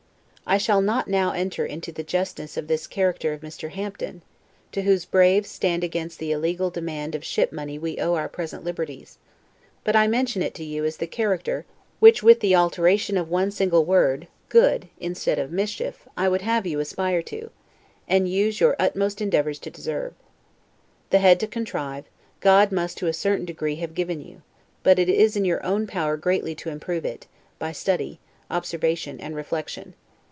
I shall not now enter into the justness of this character of Mr. Hampden, to whose brave stand against the illegal demand of ship money we owe our present liberties; but I mention it to you as the character, which with the alteration of one single word, GOOD, instead of MISCHIEF, I would have you aspire to, and use your utmost endeavors to deserve. The head to contrive, God must to a certain degree have given you; but it is in your own power greatly to improve it, by study, observation, and reflection.